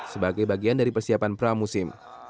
sebagai bagian dari persiapan pramusim